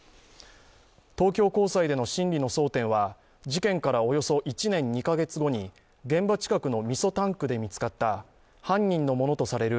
東京高裁での審理の争点は事件からおよそ１年２カ月後に現場近くのみそタンクで見つかった犯人のものとされる